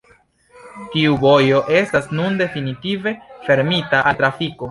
Tiu vojo estas nun definitive fermita al trafiko.